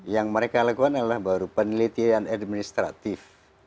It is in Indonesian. yang mereka lakukan adalah baru penelitian administratif